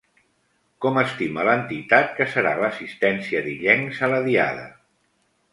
Com estima l'entitat que serà l'assistència d'illencs a la Diada?